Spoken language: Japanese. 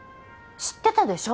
知ってたでしょ？